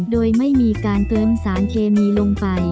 โดยไม่มีการเติมสารเคมีลงไป